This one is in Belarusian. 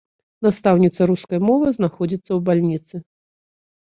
Настаўніца рускай мовы знаходзіцца ў бальніцы.